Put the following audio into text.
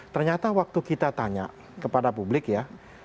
ternyata waktu kita tanya kepada publik ya